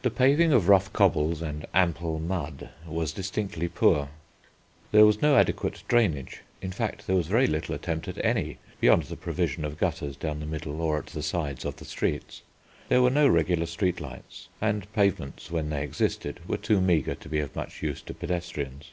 The paving of rough cobbles and ample mud was distinctly poor. There was no adequate drainage; in fact there was very little attempt at any beyond the provision of gutters down the middle or at the sides of the streets. There were no regular street lights, and pavements, when they existed, were too meagre to be of much use to pedestrians.